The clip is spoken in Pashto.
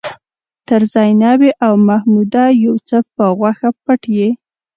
تر زينبې او محموده يو څه په غوښه پټ يې.